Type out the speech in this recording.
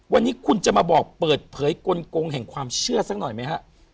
วันนี้คุณจะมาบอกเปิดเผยกลงแห่งความเชื่อสักหน่อยไหมฮะ